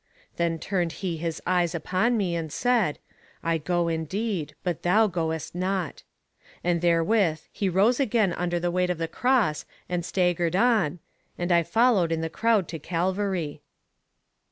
Then turned he his eyes upon me, and said, "I go indeed, but thou goest not;" and therewith he rose again under the weight of the cross, and staggered on, "'And I followed in the crowd to Calvary.